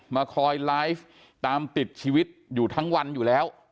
มาคอยไลฟ์ตามติดชีวิตอยู่ทั้งวันอยู่แล้ว